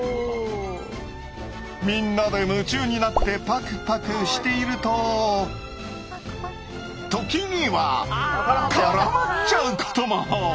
みんなで夢中になってパクパクしていると時には絡まっちゃうことも。